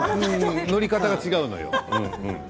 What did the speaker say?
乗り方が違うのよ。